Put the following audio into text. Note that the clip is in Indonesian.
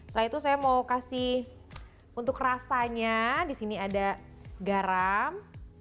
setelah itu saya mau kasih untuk rasanya di sini ada garam